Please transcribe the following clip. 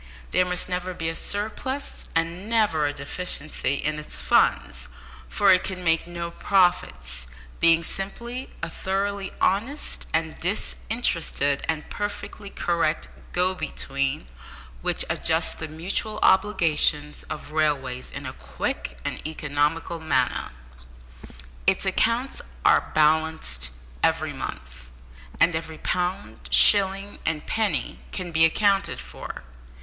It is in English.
There must never be a surplus, and never a deficiency, in its funds, for it can make no profits, being simply a thoroughly honest and disinterested and perfectly correct go between, which adjusts the mutual obligations of railways in a quick and economical manner. Its accounts are balanced every month, and every pound, shilling, and penny can be accounted for.